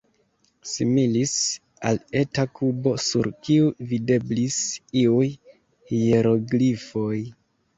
Similis al eta kubo, sur kiu videblis iuj hieroglifoj.